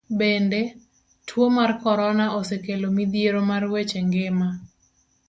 Bende, tuo mar korona osekelo midhiero mar weche ngima.